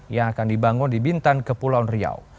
yang akan dibangun di bintan kepulauan riau